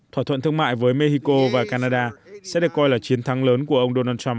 thỏa thuận thương mại với mexico và canada sẽ được coi là chiến thắng lớn của ông donald trump